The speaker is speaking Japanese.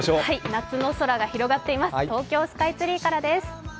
夏の空が広がっています、東京スカイツリーからです。